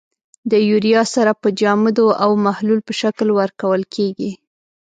د یوریا سره په جامدو او محلول په شکل ورکول کیږي.